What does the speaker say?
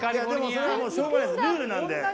でもそれはしょうがないルールなので。